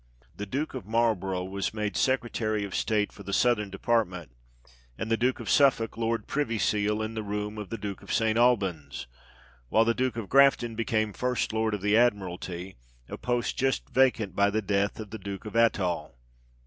The Duke of Marl borough was made Secretary of State for the Southern department, and the Duke of Suffolk Lord Privy Seal, in the room of the Duke of St. Albans, while the Duke of Grafton became first Lord of the Admiralty, a post just vacant by the death of the Duke of Athol " (p.